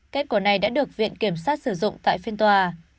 kết quả này đã được viện kiểm sát sử dụng tại phiên tòa